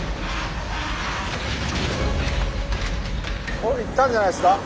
おいったんじゃないすか⁉